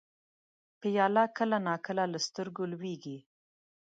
پیاله کله نا کله له سترګو لوېږي.